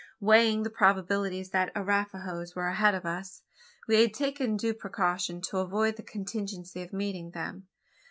Weighing the probabilities that Arapahoes were ahead of us, we had taken due precaution to avoid the contingency of meeting them.